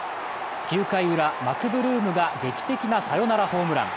９回ウラ、マクブルームが劇的なサヨナラホームラン。